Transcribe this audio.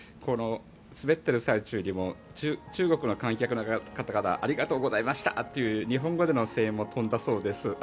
滑っている最中にも中国の観客の方がありがとうございましたという日本語での声援も飛んだそうです。